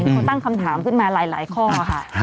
เขาตั้งคำถามขึ้นมาหลายข้อค่ะ